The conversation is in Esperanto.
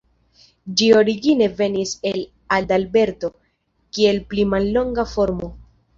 Ĝi origine venis el Adalberto, kiel pli mallonga formo.